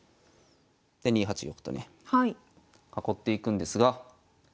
で２八玉とね囲っていくんですが。